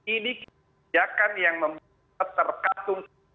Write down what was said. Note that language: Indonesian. ini kebijakan yang membuat kita terkatung